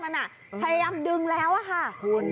พยายามดึงแล้วค่ะคุณ